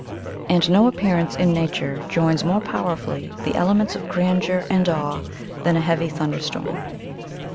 And no appearance in nature joins more powerfully the elements of grandeur and awe than a heavy thunder storm.